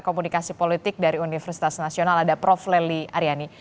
komunikasi politik dari universitas nasional ada prof leli aryani